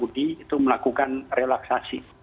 pengemudi itu melakukan relaksasi